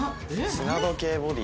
砂時計ボディ？